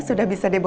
itah yang berdua